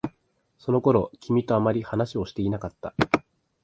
その頃、君とあまり話をしていなかった。